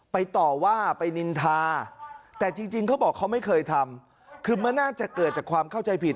ต่อว่าไปนินทาแต่จริงเขาบอกเขาไม่เคยทำคือมันน่าจะเกิดจากความเข้าใจผิด